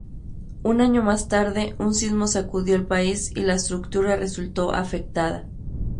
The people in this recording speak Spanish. Un año más tarde un sismo sacudió el país y la estructura resultó afectada.